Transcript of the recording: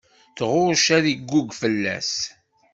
Tɣucc ad iggug fell-as.